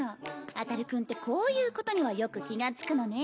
あたる君ってこういうことにはよく気が付くのねぇ。